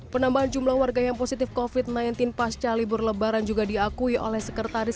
penambahan jumlah warga yang positif kofit sembilan belas pasca libur lebaran juga diakui oleh sekretaris